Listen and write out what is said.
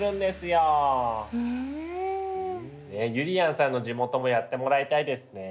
ねえゆりやんさんの地元もやってもらいたいですね。